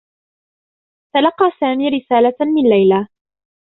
تلقّى سامي رسالة من ليلى.